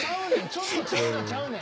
ちょっとちゃうなちゃうねん。